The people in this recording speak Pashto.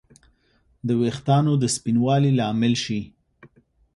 د ویښتانو د سپینوالي لامل شي